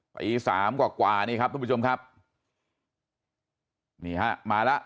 ปีสามกว่ากว่านี่ครับทุกผู้ชมครับนี่ฮะมาแล้ว